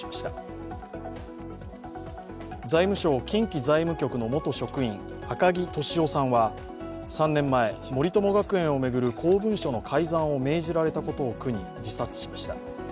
近畿財務局の元職員、赤木俊夫さんは、３年前、森友学園を巡る公文書の改ざんを命じられたことを苦に自殺しました。